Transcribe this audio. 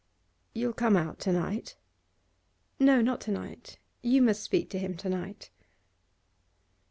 'You'll come out to night?' 'No, not to night. You must speak to him to night.